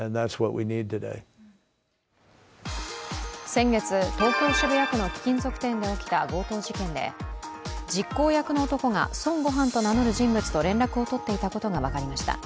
先月、東京・渋谷区の貴金属店で起きた強盗事件で実行役の男が孫悟飯と名乗る人物と連絡を取っていたことが分かりました。